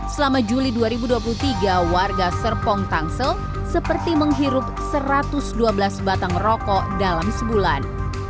selama juli dua ribu dua puluh tiga warga serpong tangsel seperti menghirup satu ratus dua belas batang rokok dalam sebulan